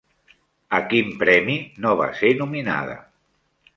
A quin premi no va ser nominada?